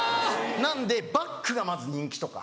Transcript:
なのでバッグがまず人気とか。